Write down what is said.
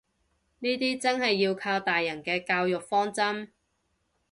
呢啲真係要靠大人嘅教育方針